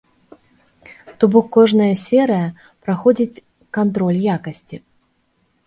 То бок кожная серыя праходзіць кантроль якасці.